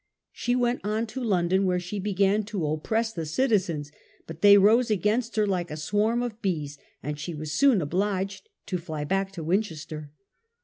She went on to London, where she began to oppress the citizens; but they rose against her "like a swarm of bees", and she was soon obliged to fly back to Winchester.